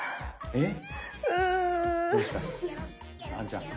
えっ？